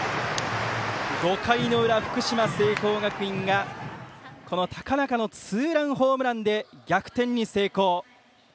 ５回の裏、福島・聖光学院が高中のツーランホームランで逆転に成功。